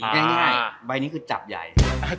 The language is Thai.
ง่ายใบนี้คือจับใหญ่